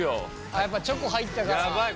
やっぱチョコ入ったから。